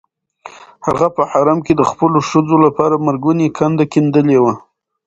هغه په حرم کې د خپلو ښځو لپاره مرګونې کنده کیندلې وه.